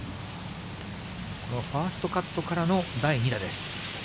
このファーストカットからの第２打です。